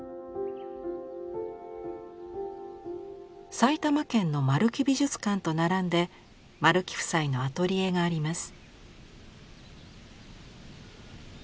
埼玉県の丸木美術館と並んで丸木夫妻のアトリエがあります。